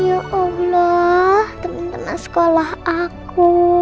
ya allah teman teman sekolah aku